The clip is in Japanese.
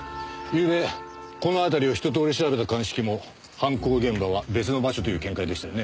ゆうべこの辺りを一通り調べた鑑識も犯行現場は別の場所という見解でしたよね。